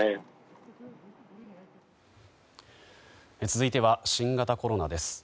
続いては新型コロナです。